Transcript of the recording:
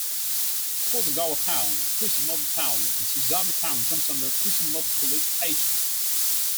Kozagawa Town, Kushimoto Town, and Susami Town comes under Kushimoto police station.